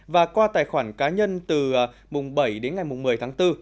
và qua tài khoản cá nhân từ mùng bảy đến ngày một mươi tháng bốn